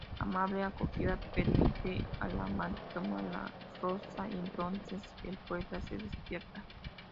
Amable Acogida permite al amante tomar la "Rosa" y entonces el poeta se despierta.